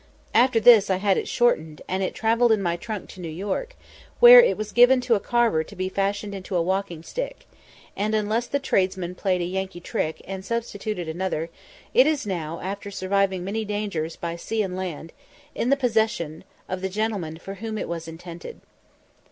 _" After this I had it shortened, and it travelled in my trunk to New York, where it was given to a carver to be fashioned into a walking stick; and, unless the tradesman played a Yankee trick, and substituted another, it is now, after surviving many dangers by sea and land, in the possession of the gentleman for whom it was intended.